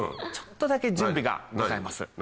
ちょっとだけ準備がございます。